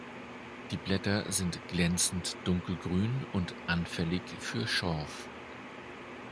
Die Blätter sind glänzend dunkelgrün und anfällig für Schorf.